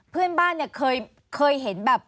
เพื่อนบ้านเนี่ยเคยเห็นแบบ